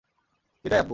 বিদায়, আব্বু।